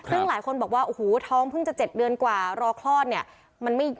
ซึ่งหลายคนบอกว่าโอ้โหท้องเพิ่งจะ๗เดือนกว่ารอคลอดเนี่ย